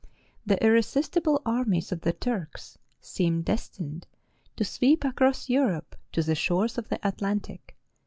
The irresistible armies of the Turks seemed destined to sweep across Europe to the shores of the Atlantic.